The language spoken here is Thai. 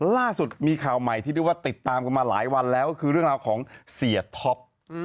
ล่าสุดมีข่าวใหม่ที่เรียกว่าติดตามกันมาหลายวันแล้วก็คือเรื่องราวของเสียท็อป